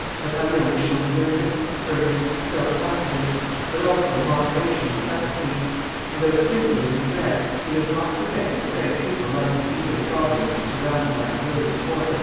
Napoleon has shown wisdom, firmness, self confidence, but also moderation and clemency; and though simple in his dress, he does not forget that the French people like to see their sovereigns surrounded by a brilliant court."